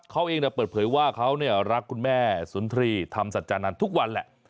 เขาเองเนี่ยเปิดเผยว่าเขาเนี่ยรักคุณแม่สุนทรีย์ทำสัจจานันท์ทุกวันแหละ